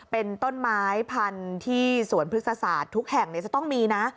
เป็นต้นไม้พันธุ์ที่สวนพฤกษศาสตร์ทุกแห่งจะต้องมีนะ